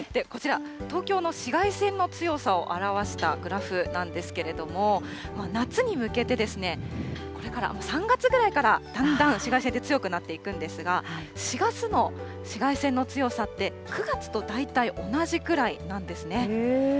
こちら、東京の紫外線の強さを表したグラフなんですけれども、夏に向けて、これから、３月ぐらいから、だんだん紫外線って強くなっていくんですが、４月の紫外線の強さって、９月と大体同じくらいなんですね。